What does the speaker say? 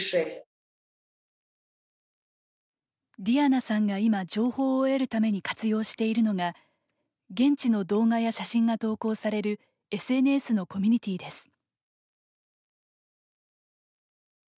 ディアナさんが今情報を得るために活用しているのが現地の動画や写真が投稿されるＳＮＳのコミュニティーです。